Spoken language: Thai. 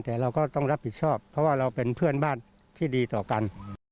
แต่เราก็ต้องรับผิดชอบเพราะว่าเราเป็นเพื่อนบ้านที่ดีต่อกัน